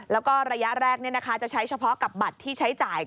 แล้วก็ระยะแรกจะใช้เฉพาะกับบัตรที่ใช้จ่าย